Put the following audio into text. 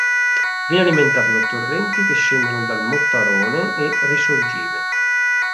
Viene alimentato da torrenti che scendono dal Mottarone e risorgive.